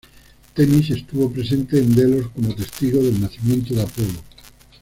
Temis estuvo presente en Delos como testigo del nacimiento de Apolo.